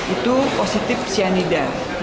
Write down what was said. itu positif cyanida